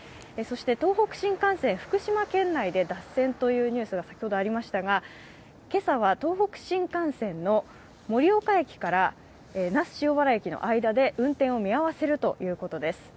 そして東北新幹線福島県内で脱線というニュースが先ほどありましたが、今朝は東北新幹線の盛岡駅から那須塩原駅の間で運転を見合わせるということです。